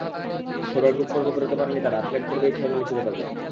সেবার গ্রুপ পর্ব পেরোতে পারেনি তারা, প্লেট পর্বেই ঠাই মিলেছিল তাদের।